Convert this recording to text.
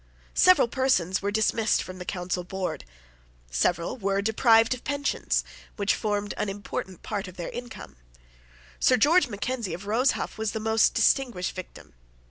Several persons were dismissed from the Council board. Several were deprived of pensions, which formed an important part of their income. Sir George Mackenzie of Rosehaugh was the most distinguished victim.